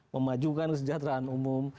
memajukan kesejahteraan umum